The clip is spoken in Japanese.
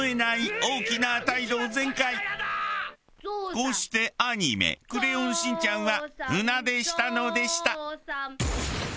こうしてアニメ『クレヨンしんちゃん』は船出したのでした。